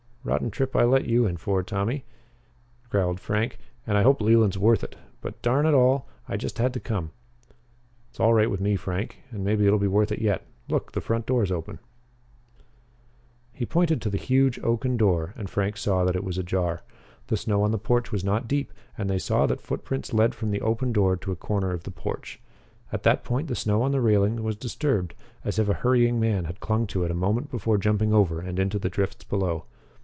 "Rotten trip I let you in for Tommy," growled Frank, "and I hope Leland's worth it. But, darn it all, I just had to come." "It's all right with me, Frank. And maybe it'll be worth it yet. Look the front door's open." He pointed to the huge oaken door and Frank saw that it was ajar. The snow on the porch was not deep and they saw that footprints led from the open door to a corner of the porch. At that point the snow on the railing was disturbed, as if a hurrying man had clung to it a moment before jumping over and into the drifts below.